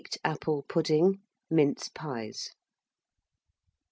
Plum pudding, mince pies.